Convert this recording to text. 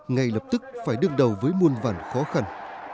ngay lập tức phải đứng đầu với muôn vản khó khăn